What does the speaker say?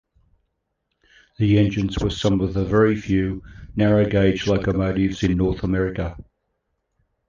The engines were some of the very few narrow gauge locomotives in North America.